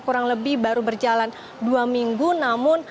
kurang lebih baru berjalan dua minggu namun